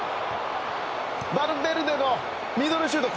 バルベルデのミドルシュート！